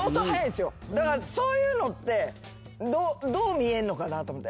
だからそういうのってどう見えんのかなと思って。